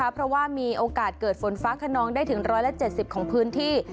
เพราะว่ามีโอกาสเกิดฝนฟ้าขนองได้ถึง๑๗๐ของพื้นที่